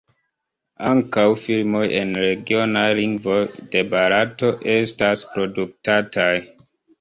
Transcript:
Ankaŭ filmoj en regionaj lingvoj de Barato estas produktataj.